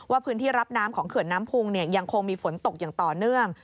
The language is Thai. พื้นที่รับน้ำของเขื่อนน้ำพุงยังคงมีฝนตกอย่างต่อเนื่อง